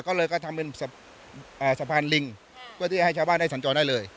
ก็เลยก็ทำเป็นสะพานลิงเพื่อที่ให้ชาวบ้านได้สัญจรได้เลย